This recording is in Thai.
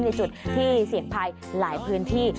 ในจุดที่เสี่ยงภัยหลายพื้นที่